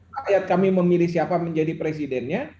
kita lihat kami memilih siapa menjadi presidennya